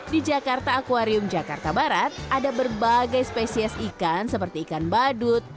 di jakarta aquarium jakarta barat ada berbagai spesies ikan seperti ikan badut